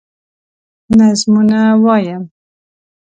نظمونه وايم